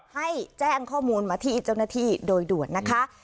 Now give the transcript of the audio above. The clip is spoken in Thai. ให้แจ้งข้อมูลมาที่เจ้าหน้าที่โดยด่วนนะคะ